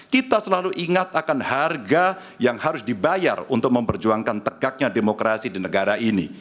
kita selalu ingat akan harga yang harus dibayar untuk memperjuangkan tegaknya demokrasi di negara ini